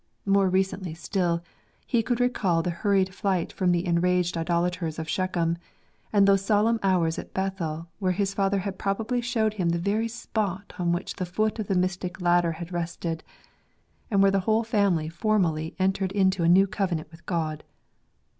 More recently still, he could recal the hurried flight from the enraged idolaters of Shechem ; and those solemn hours at Bethel where his father had probably showed him the very spot on which the foot of the mystic ladder had rested, and where the whole family formally entered into a new covenant with God.